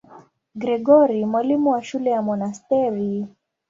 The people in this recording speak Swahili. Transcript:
Gregori, mwalimu wa shule ya monasteri.